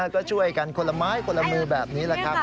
ก็ช่วยกันคนละไม้คนละมือแบบนี้แหละครับ